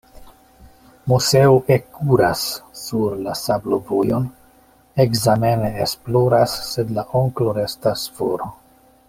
Moseo ekkuras sur la sablovojon, ekzamene esploras, sed la onklo restas for.